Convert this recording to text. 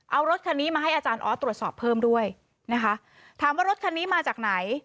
เอารถคันนี้มาให้อาจารย์ออสตรวจสอบเพิ่มด้วยนะคะถามว่ารถคันนี้มาจากไหน